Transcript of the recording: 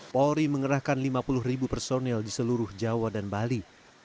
polri mengerahkan lima puluh ribu personel di seluruh jawa dan bali